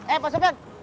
eh pak sobat